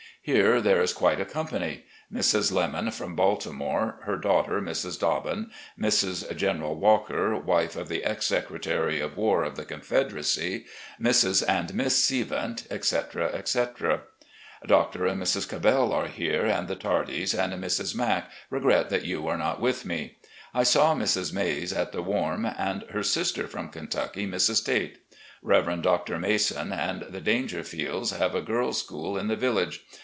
Here there is quite a company. Mrs. Lemmon from Baltimore, her daughter Mrs. Dobbin, Mrs. General Walker, wife of the ex Secretary of War of the Confed eracy, Mrs. and Miss Sivent, etc., etc. " Dr. and Mrs. Cabell are here, and the Tardys and Mrs. Mac regret that you are not with me. .. I saw Mrs. Maize at the Warm, and her sister from Kentucky, Mrs. Tate. Rev. Mr. Mason and the Daingerfields have a girls' school in the village.